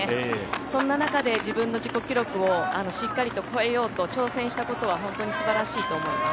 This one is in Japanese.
そんな中で自分の自己記録をしっかりと超えようと挑戦したことは本当に素晴らしいと思います。